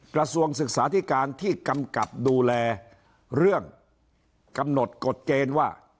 กระทรวงศึกษาธิการที่กำกับดูแลเรื่องกำหนดกฎเกณฑ์ว่า